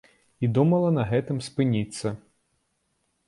І думала на гэтым спыніцца.